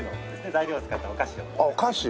材料を使ったお菓子を。